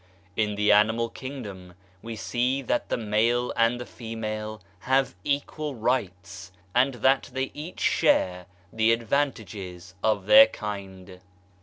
In the animal kingdom we see that the male and the female have equal rights ; and that they each share the advantages of their kind.